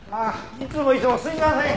いつもいつもすみません。